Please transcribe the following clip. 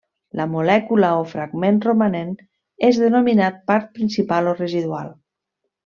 La molècula o fragment romanent és denominat part principal o residual.